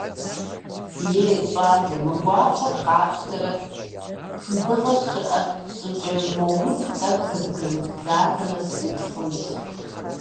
Е, щӏалэ, мы гуахъуэр къапщтэрэ, дыгъэ щыӏэ щӏыкӏэ, мо удзыр тӏэкӏу зэбгырыбдзатэмэ сыт хъунт?